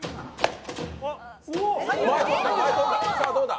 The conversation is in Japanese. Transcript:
さあ、どうだ？